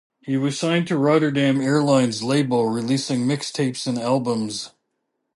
He was signed to Rotterdam Airlines label releasing mixtapes and albums.